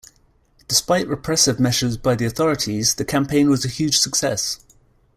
Despite repressive measures by the authorities, the campaign was a huge success.